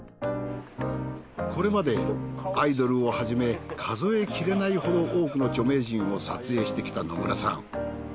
これまでアイドルをはじめ数えきれないほど多くの著名人を撮影してきた野村さん。